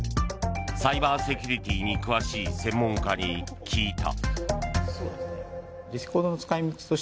サイバーセキュリティーに詳しい専門家に聞いた。